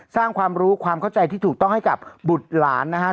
สร้างความรู้ความเข้าใจที่ถูกต้องให้กับบุตรหลานนะครับ